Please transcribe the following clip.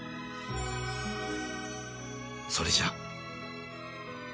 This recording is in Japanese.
それじゃ